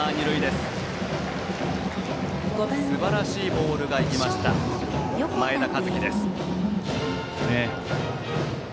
すばらしいボールがいきました前田一輝です。